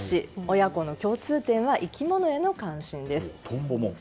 親子の共通点は生き物への関心。